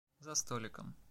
За столиком.